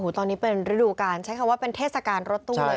ตอนนี้เป็นฤดูการใช้คำว่าเป็นเทศกาลรถตู้เลย